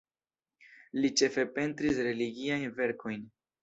Li ĉefe pentris religiajn verkojn.